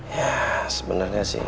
ya sebenernya sih